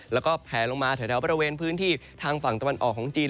แล้วก็แผลลงมาแถวบริเวณพื้นที่ทางฝั่งตะวันออกของจีน